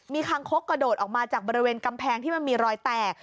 มีคางคกกระโดดออกมาจากบริเวณกำแพงที่มันมีรอยแตก